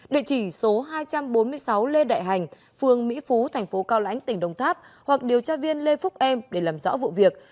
địa chỉ số hai trăm bốn mươi sáu lê đại hành phường mỹ phú thành phố cao lãnh tỉnh đồng tháp hoặc điều tra viên lê phúc em để làm rõ vụ việc